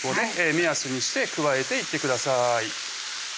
目安にして加えていってください